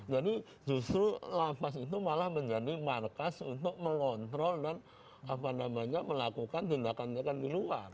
jadi justru lapas itu malah menjadi markas untuk mengontrol dan apa namanya melakukan tindakannya kan di luar